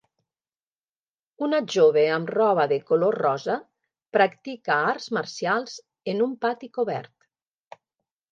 Una jove amb roba de color rosa practica arts marcials en un pati cobert.